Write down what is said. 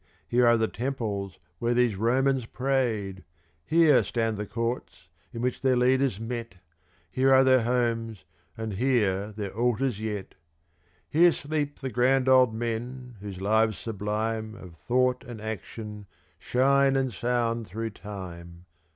Here are the temples where these Romans prayed! Here stand the courts in which their leaders met! Here are their homes, and here their altars yet! Here sleep the grand old men whose lives sublime Of thought and action shine and sound through time!